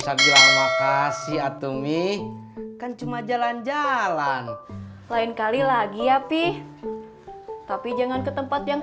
ngapain mengakasi atau mi kan cuma jalan jalan lain kali lagi ya pih tapi jangan ketempat yang